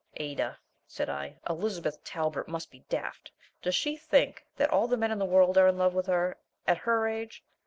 "Ada," said I, "Elizabeth Talbert must be daft! Does she think that all the men in the world are in love with her at her age?